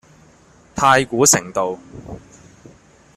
太古城道